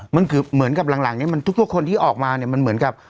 มันคือเหมือนกับหลังเนี่ยมันทุกคนที่ออกมาเนี่ยมันเหมือนกับ